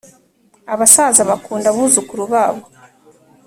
Abasaza bakunda abuzukuru babo